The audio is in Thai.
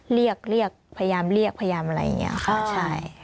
เรียกพยายามเรียกอะไรอย่างนี้ค่ะใช่